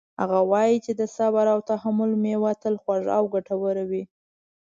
هغه وایي چې د صبر او تحمل میوه تل خوږه او ګټوره وي